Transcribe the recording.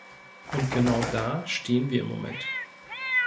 Und genau da stehen wir im Moment.